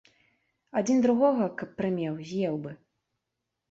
Адзін другога, каб прымеў, з'еў бы.